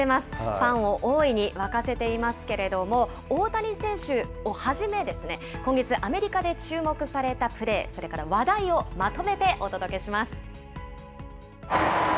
ファンを大いに沸かせていますけれども、大谷選手をはじめ、今月、アメリカで注目されたプレー、それから話題をまとめてお届けします。